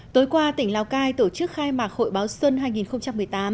tối qua tỉnh lào cai tổ chức khai mạc hội báo xuân hai nghìn một mươi tám